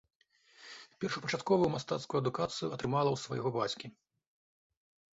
Першапачатковую мастацкую адукацыю атрымала ў свайго бацькі.